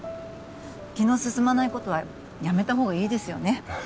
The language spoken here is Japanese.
気の進まないことはやめた方がいいですよね